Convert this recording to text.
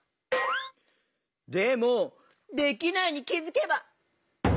でも「できないに気づけば」？